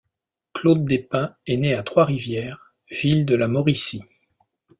Claude Despins est né à Trois-Rivières, ville de la Mauricie.